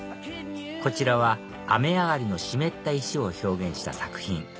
こちらは雨上がりの湿った石を表現した作品